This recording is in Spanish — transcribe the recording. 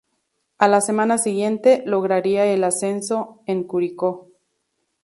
A la semana siguiente, lograría el ascenso en Curicó.